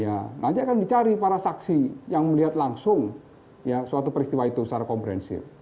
ya nanti akan dicari para saksi yang melihat langsung ya suatu peristiwa itu secara komprehensif